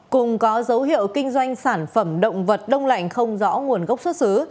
cùng có dấu hiệu kinh doanh sản phẩm động vật đông lạnh không rõ nguồn gốc xuất xứ